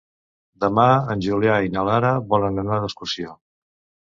Demà en Julià i na Lara volen anar d'excursió.